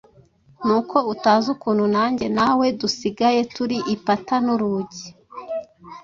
Ni uko utazi ukuntu nge na we dusigaye turi “ipata n’urugi”!